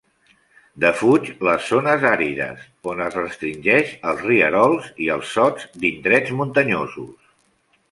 Defuig les zones àrides, on es restringeix als rierols i als sots d'indrets muntanyosos.